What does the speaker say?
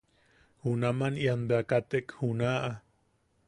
Junaman bea ian katek junaʼa.